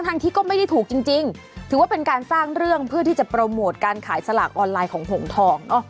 ที่ก็ไม่ได้ถูกจริงถือว่าเป็นการสร้างเรื่องเพื่อที่จะโปรโมทการขายสลากออนไลน์ของหงทอง